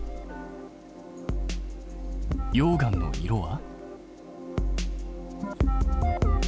溶岩の色は？